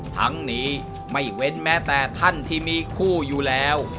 ทั้งนี้ไม่เว้นแม้แต่ท่านที่มีคู่อยู่แล้ว